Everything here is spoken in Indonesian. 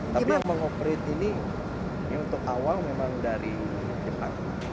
tapi yang mengoperate ini untuk awal memang dari jepang